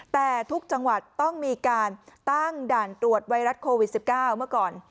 แต่ทุกจังหวัดต้องมีการตั้งด่านตรวจไวรัสโควิด๑๙เมื่อก่อน